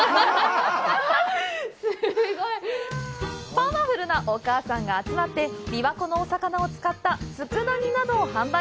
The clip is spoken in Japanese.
パワフルなお母さんが集まって、琵琶湖の魚を使ったつくだ煮などを販売。